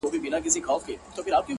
ه بيا دي ږغ کي يو عالم غمونه اورم’